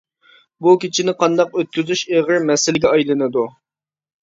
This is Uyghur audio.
بۇ كېچىنى قانداق ئۆتكۈزۈش ئېغىر مەسىلىگە ئايلىنىدۇ.